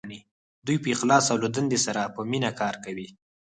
دوی په اخلاص او له دندې سره په مینه کار کوي.